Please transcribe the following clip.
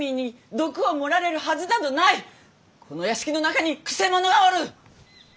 この屋敷の中に曲者がおる！